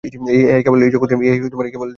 ইহাই হইল এই জগতের ইতিহাস।